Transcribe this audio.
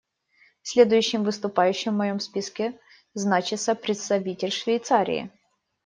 Следующим выступающим в моем списке значится представитель Швейцарии.